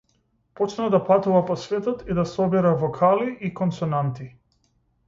Почна да патува по светот и да собира вокали и консонанти.